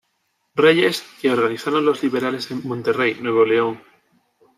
Reyes, que organizaron los liberales en Monterrey, Nuevo León.